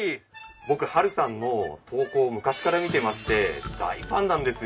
僕ハルさんの投稿を昔から見てまして大ファンなんですよ。